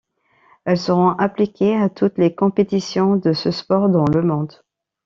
Elles seront appliquées à toutes les compétitions de ce sport dans le monde.